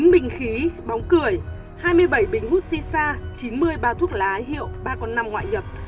chín bình khí bóng cười hai mươi bảy bình hút xì xa chín mươi ba thuốc lá hiệu ba con năm ngoại nhập